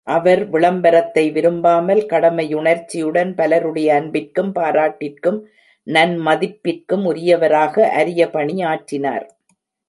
அவர் விளம்பரத்தை விரும்பாமல் கடமையுணர்ச்சியுடன் பலருடைய அன்பிற்கும் பாராட்டிற்கும் நன்மதிப்பிற்கும் உரியவராக அரிய பணி ஆற்றினார்.